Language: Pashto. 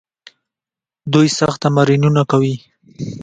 دوی سخت تمرینونه کوي.